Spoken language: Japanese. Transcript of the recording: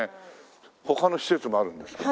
他の施設もあるんですか？